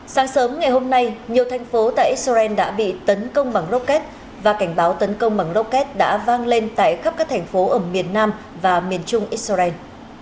sáng sớm ngày hôm nay nhiều thành phố tại israel đã bị tấn công bằng rocket và cảnh báo tấn công bằng rocket đã vang lên tại khắp các thành phố ở miền nam và miền trung israel